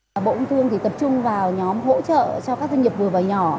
bộ công thương tập trung vào nhóm hỗ trợ cho các doanh nghiệp vừa và nhỏ